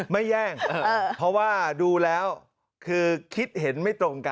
แย่งเพราะว่าดูแล้วคือคิดเห็นไม่ตรงกัน